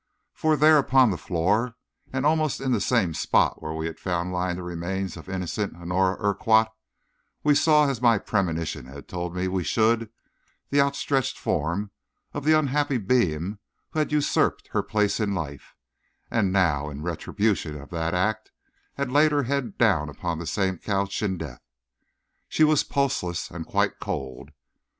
For, there upon the floor, and almost in the same spot where we had found lying the remains of innocent Honora Urquhart, we saw, as my premonition had told me we should, the outstretched form of the unhappy being who had usurped her place in life, and now, in retribution of that act, had laid her head down upon the same couch in death. She was pulseless and quite cold.